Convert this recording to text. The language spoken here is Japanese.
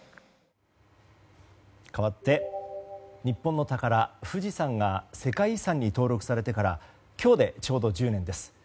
かわって、日本の宝富士山が世界遺産に登録されてから今日でちょうど１０年です。